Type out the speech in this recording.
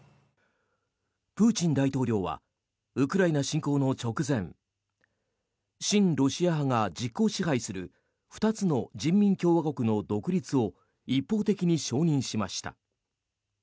プーチン大統領はウクライナ侵攻の直前親ロシア派が実効支配する２つの人民共和国の独立を一方的に承認しました。